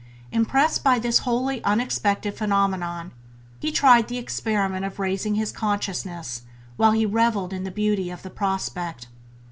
Impressed by this wholly unexpected phenomenon, he tried the experiment of raising his consciousness while he revelled in the beauty of the prospect.